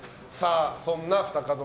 そんな２家族